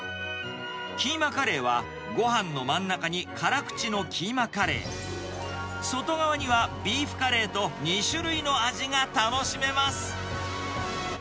キーマカレーは、ごはんの真ん中に辛口のキーマカレー、外側にはビーフカレーと、２種類の味が楽しめます。